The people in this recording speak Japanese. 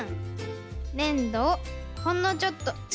ねんどをほんのちょっとちぎって。